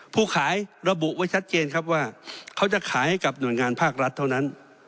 ผู้ขายระบุไว้ชัดเจนครับว่าเขาจะขายให้กับหน่วยงานภาครัฐเท่านั้น